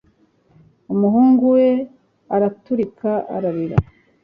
umuhungu we araturika ararira